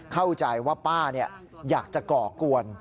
เข้าใจว่าป้าอยากจะก่อกวน